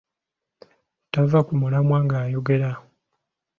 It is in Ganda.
Tava ku mulamwa ng'ayogera.